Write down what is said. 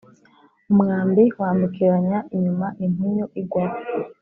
umwambi wambukiranya inyuma impunyu igwaho.